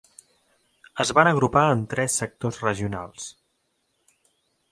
Es van agrupar en tres sectors regionals.